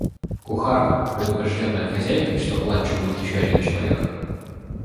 Кухарка, предупрежденная хозяйкой, что к ленчу будет еще один человек,